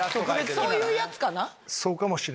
そういうやつかな。